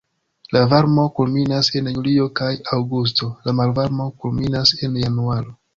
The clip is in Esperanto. La varmo kulminas en julio kaj aŭgusto, la malvarmo kulminas en januaro.